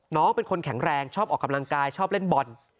น้องเป็นคนแข็งแรงชอบออกกำลังกายชอบเล่นบอล